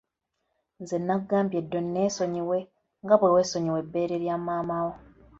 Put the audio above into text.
Nze nakugambye dda onneesonyiwe nga bwe weesonyiwa ebbeere lya maama wo.